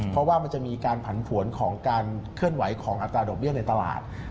เพราะว่ามันจะมีการผันผวนของการเคลื่อนไหวของอัตราดอกเบี้ยในตลาด